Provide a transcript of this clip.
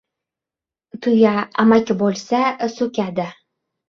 «Tuya» amaki bo‘lsa, so‘kadi.